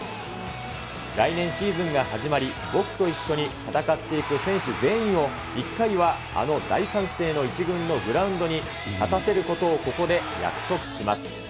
来年シーズンが始まり、僕と一緒に戦っていく選手全員を、１回はあの大歓声の１軍のグランドに立たせることを、ここで約束します。